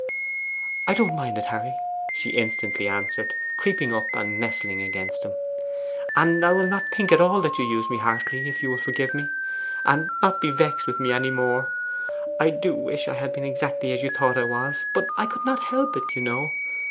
'I don't mind it, Harry!' she instantly answered, creeping up and nestling against him; 'and I will not think at all that you used me harshly if you will forgive me, and not be vexed with me any more? I do wish I had been exactly as you thought I was, but I could not help it, you know.